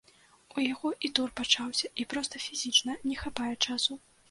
У яго і тур пачаўся, і проста фізічна не хапае часу.